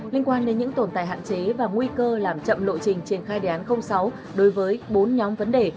liên quan đến những tồn tại hạn chế và nguy cơ làm chậm lộ trình triển khai đề án sáu đối với bốn nhóm vấn đề